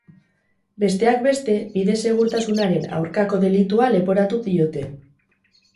Besteak beste, bide segurtasunaren aurkako delitua leporatu diote.